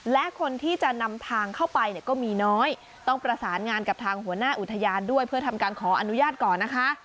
และคนที่จะนำทางเข้าไปเนี่ยก็มีน้อยต้องประสานงานกับทางหัวหน้าอุทยานด้วยเพื่อทำการขออนุญาตก่อนนะคะ